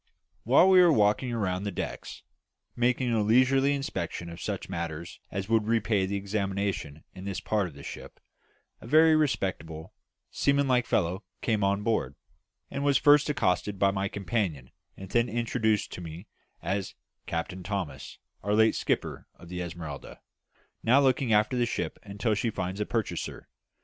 While we were walking round the decks, making a leisurely inspection of such matters as would repay examination in this part of the ship, a very respectable, seaman like fellow came on board, and was first accosted by my companion and then introduced to me as "Captain Thomson, our late skipper of the Esmeralda; now looking after the ship until she finds a purchaser.